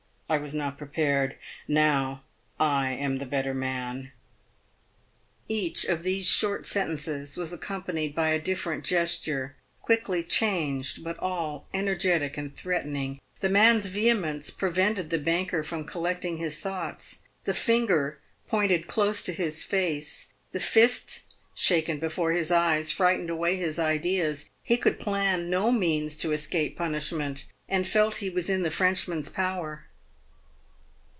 I was not prepared. Now I am the better man." Each of these short sentences was accompanied by a different gesture, quickly changed, but all energetic and threatening. The man's vehemence prevented the banker from collecting his thoughts. The finger pointed close to his face, the fist shaken before his eyes frightened away his ideas. He could plan no means to escape punishment, and felt he was in the Frenchman's power.